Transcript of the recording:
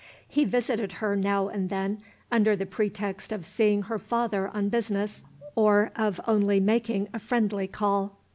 He visited her now and then, under the pretext of seeing her father on business, or of only making a friendly call.